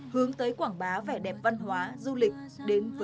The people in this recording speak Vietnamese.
hướng tới quảng bá vẻ đẹp văn hóa du lịch đến với du khách thủ đồ